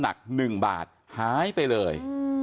หนักหนึ่งบาทหายไปเลย